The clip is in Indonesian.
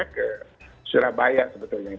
ke surabaya sebetulnya